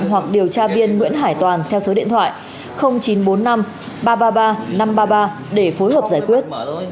hoặc điều tra viên nguyễn hải toàn theo số điện thoại chín trăm bốn mươi năm ba trăm ba mươi ba năm trăm ba mươi ba để phối hợp giải quyết